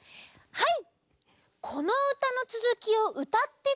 はい！